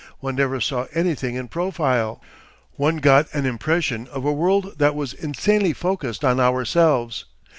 One never saw anything in profile. One got an impression of a world that was insanely focused on ourselves.